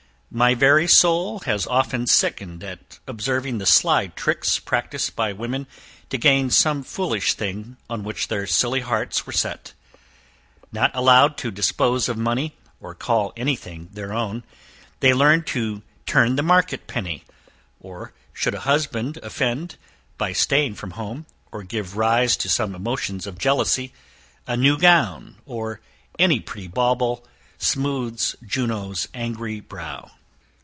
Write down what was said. My very soul has often sickened at observing the sly tricks practised by women to gain some foolish thing on which their silly hearts were set. Not allowed to dispose of money, or call any thing their own, they learn to turn the market penny; or, should a husband offend, by staying from home, or give rise to some emotions of jealousy a new gown, or any pretty bauble, smooths Juno's angry brow.